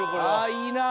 あいいな。